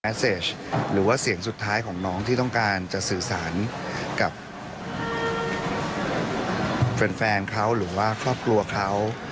ฟังเสียงสัมภาษณ์คุณโก้ดูค่ะ